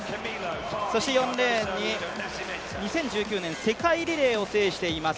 ４レーンに、２００４年に世界リレーを制しています